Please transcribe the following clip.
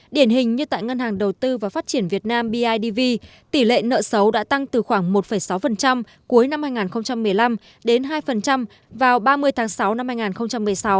điển hình như tại ngân hàng đầu tư và phát triển việt nam bidv tỷ lệ nợ xấu đã tăng từ khoảng một sáu cuối năm hai nghìn một mươi năm đến hai vào ba mươi tháng sáu năm hai nghìn một mươi sáu